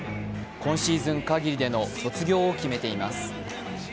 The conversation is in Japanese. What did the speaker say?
今シーズン限りでの卒業を決めています。